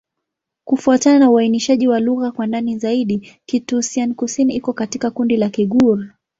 Kufuatana na uainishaji wa lugha kwa ndani zaidi, Kitoussian-Kusini iko katika kundi la Kigur.